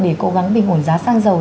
để cố gắng bình ổn giá sang dầu